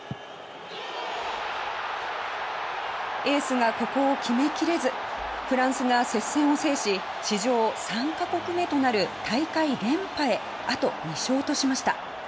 エースがここを決めきれずフランスが接戦を制し史上３か国目となる大会連覇へあと２勝としました。